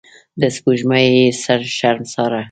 د سپوږمۍ یم شرمساره